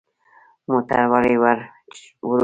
موټر ولې ورو چلوو؟